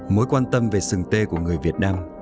mối quan tâm về sừng tê của người việt nam